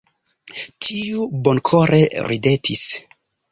Tiu bonkore ridetis.